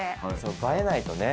映えないとね。